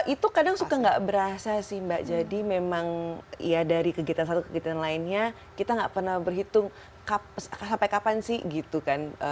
itu kadang suka gak berasa sih mbak jadi memang ya dari kegiatan satu kegiatan lainnya kita nggak pernah berhitung sampai kapan sih gitu kan